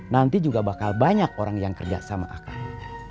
nanti juga bakal banyak orang yang kerja sama akang